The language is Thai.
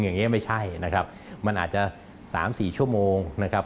อย่างนี้ไม่ใช่นะครับมันอาจจะ๓๔ชั่วโมงนะครับ